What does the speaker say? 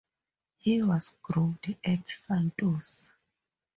He was groomed at Santos.